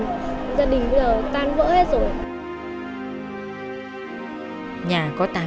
gia đình bây giờ tan vỡ hết rồi